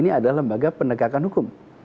ini adalah lembaga penegakan hukum